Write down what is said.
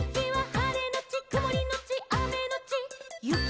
「はれのちくもりのちあめのちゆき」